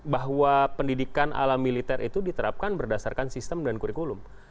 bahwa pendidikan ala militer itu diterapkan berdasarkan sistem dan kurikulum